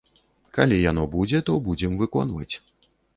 Калі яно будзе, то будзем выконваць.